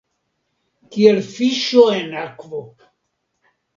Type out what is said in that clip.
Kiel fiŝo en akvo!